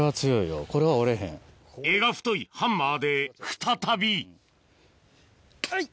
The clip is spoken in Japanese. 柄が太いハンマーで再びあい！